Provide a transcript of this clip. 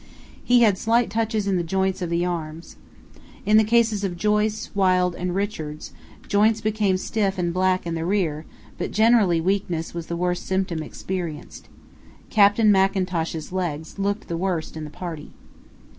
He had slight touches in the joints of the arms. In the cases of Joyce, Wild, and Richards, joints became stiff and black in the rear, but general weakness was the worst symptom experienced. Captain Mackintosh's legs looked the worst in the party."